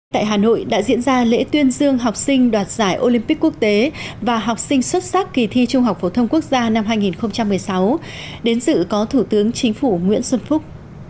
tại hà nội đã diễn ra lễ tuyên dương học sinh đoạt giải olympic quốc tế và học sinh xuất sắc kỳ thi trung học phổ thông quốc gia năm hai nghìn một mươi sáu đến dự có thủ tướng chính phủ nguyễn xuân phúc